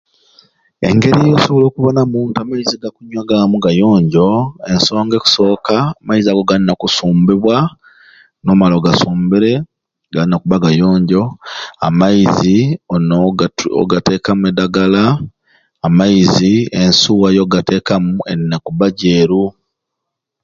Engeri josobola okubonamu nti amaizigakunywa agamu gayonjo ensonga ekusoka amaizi ago galina kusumbibwa nomala ogasumbire galina okubba gayonjo, amaizi olina ogatu ogatekaamu edagala, amaizi ensuwa yogatekamu enakubba jeeru.